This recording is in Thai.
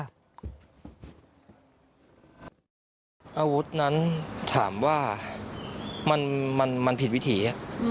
อาวุธนั้นถามว่ามันผิดวิถี